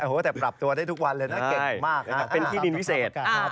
โอ้โหแต่ปรับตัวได้ทุกวันเลยนะเก่งมากเป็นที่ดินพิเศษ